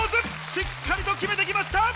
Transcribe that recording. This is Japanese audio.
しっかりと決めて来ました！